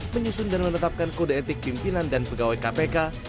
menyusun dan menetapkan kode etik pimpinan dan pegawai kpk